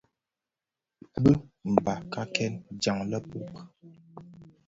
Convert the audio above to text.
Bi mbakaken jaň lèpub,